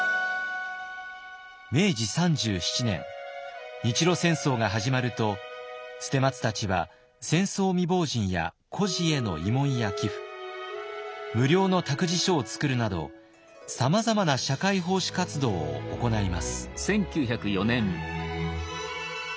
明治３７年日露戦争が始まると捨松たちは戦争未亡人や孤児への慰問や寄付無料の託児所を作るなどさまざまな社会奉仕活動を行います。